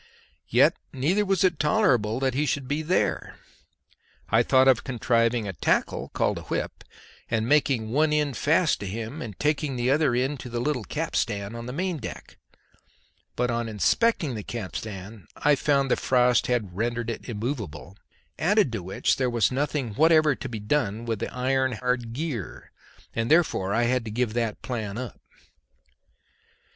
Yet neither was it tolerable that he should be there. I thought of contriving a tackle called a whip, and making one end fast to him and taking the other end to the little capstan on the main deck; but on inspecting the capstan I found that the frost had rendered it immovable, added to which there was nothing whatever to be done with the iron hard gear, and therefore I had to give that plan up.